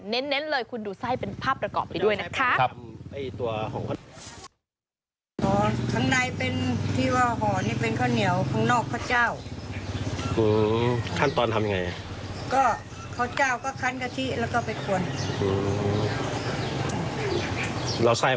เน้นเลยคุณดูไส้เป็นภาพประกอบไปด้วยนะคะ